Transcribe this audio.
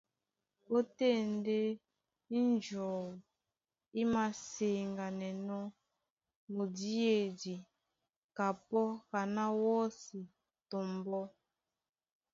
Ótên ndé ínjɔu í māseŋganɛnɔ́ mudíedi kapɔ́ kaná wɔ́si tɔ mbɔ́.